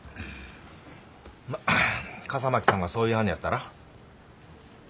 まっ笠巻さんがそう言いはんねやったら。